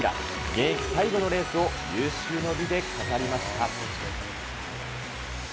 現役最後のレースを有終の美で飾りました。